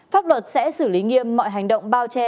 pháp luật sẽ xử lý nghiêm mọi hành động bao che